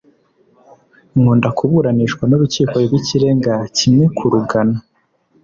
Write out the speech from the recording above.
nkunda kuburanishwa n’urukiko rw’ikirenga kimwe kurugana